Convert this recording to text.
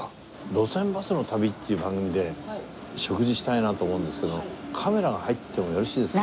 『路線バスの旅』っていう番組で食事したいなと思うんですけどカメラが入ってもよろしいですか？